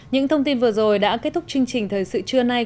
những thông tin vừa rồi đã kết thúc chương trình thời sự trưa nay